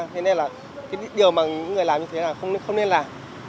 thế nên là điều mà người làm như thế này không nên làm